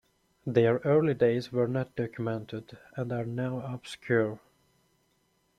Their early days were not documented and are now obscure.